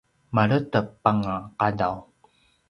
maledep anga qadaw